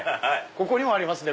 ここにもありますね。